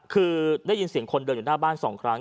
คือได้ยินเสียงคนเดินอยู่หน้าบ้าน๒ครั้ง